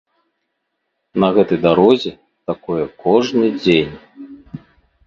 На гэтай дарозе такое кожны дзень.